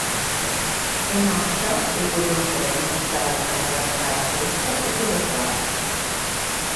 У наш час у будынку размяшчаюцца гарадская пошта і тэлеграф.